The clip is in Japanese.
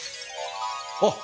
あっ！